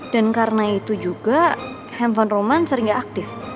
dan karena itu juga handphone roman sering gak aktif